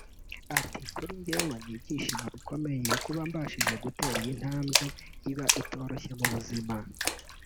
Ati “ Kuri njyewe ni ibyishimo bikomeye kuba mbashije gutera iyi ntambwe iba itoroshye mu buzima